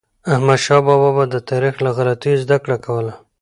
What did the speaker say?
احمدشاه بابا به د تاریخ له غلطیو زدهکړه کوله.